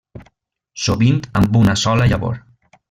Sovint amb una sola llavor.